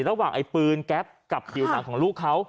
ระหว่างไอ้ปืนแก๊ปกับผิวหนังของลูกเขา